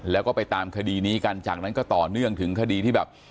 แล้วก็ไปตามคดีนี้กันจากนั้นก็ต่อเนื่องถึงคดีที่แบบ